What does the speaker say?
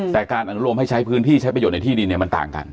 แต่การอนุโลมให้ใช้พื้นที่ใช้ประโยชนในที่ดินเนี่ยมันต่างกัน